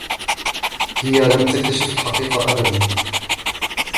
هي لم تكتشف الحقيقة أبدا.